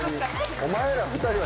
お前ら２人は。